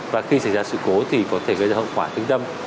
và khi xảy ra sự cố thì có thể gây ra hậu quả thương tâm